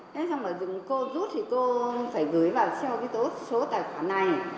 thế xong rồi cô rút thì cô phải gửi vào số tài khoản này